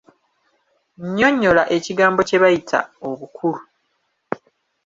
Nnyonnyola ekigambo kye bayita: Obukulu.